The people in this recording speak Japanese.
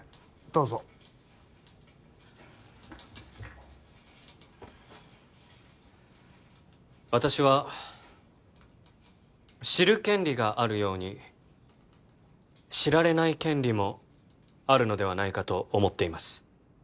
どうぞ私は知る権利があるように知られない権利もあるのではないかと思っています